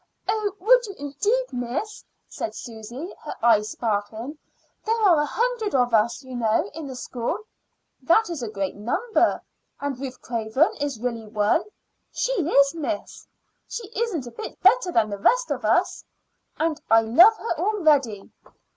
"Oh, would you, indeed, miss?" said Susy, her eyes sparkling. "There are a hundred of us, you know, in the school." "That is a great number. And Ruth Craven is really one?" "She is, miss. She isn't a bit better than the rest of us." "And I love her already."